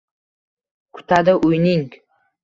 kutadi uyning